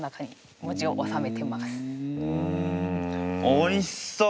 おいしそう！